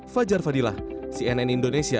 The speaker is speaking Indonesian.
fajar fadillah cnn indonesia